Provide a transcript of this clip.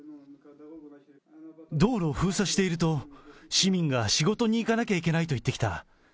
道路を封鎖していると、市民が仕事に行かなきゃいけないと言ってきた。